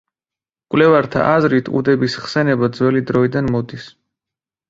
მკვლევართა აზრით უდების ხსენება ძველი დროიდან მოდის.